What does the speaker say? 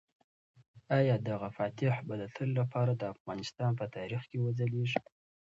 آیا دغه فاتح به د تل لپاره د افغانستان په تاریخ کې وځلیږي؟